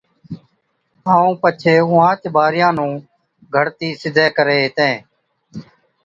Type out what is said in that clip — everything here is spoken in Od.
ائُون پڇي اُونهانچ ٻارِيان نُون گھڙتِي سِڌَي ڪرين هِتين